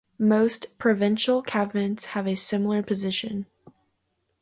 Most provincial cabinets have a similar position.